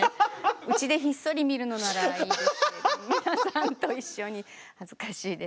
うちでひっそり見るのならいいですけど皆さんと一緒に恥ずかしいです。